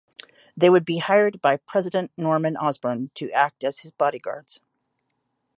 They would be hired by President Norman Osborn to act as his bodyguards.